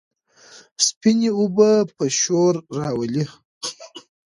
سپينې اوبه به شور راولي،